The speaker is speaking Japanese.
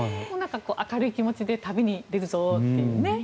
明るい気持ちで旅に出るぞというね。